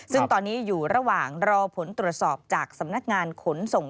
ซึ่งตอนนี้อยู่ระหว่างรอผลตรวจสอบจากสำนักงานขนส่ง